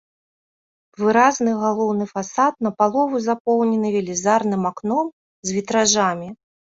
Выразны галоўны фасад напалову запоўнены велізарным акном з вітражамі.